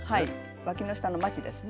わきの下のまちですね。